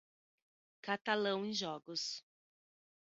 Catalão em jogos.